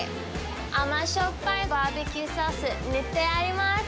甘しょっぱいバーベキューソース、めっちゃ合います。